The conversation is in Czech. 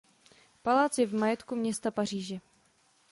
Palác je v majetku města Paříže.